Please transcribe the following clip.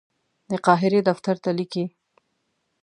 د قاهرې دفتر ته لیکي.